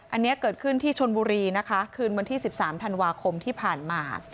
อันนี้เกิดขึ้นที่ชนบุรีนะคะคืนวันที่๑๓ธันวาคมที่ผ่านมา